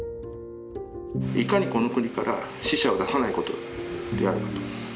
いかにこの国から死者を出さないことであるかと。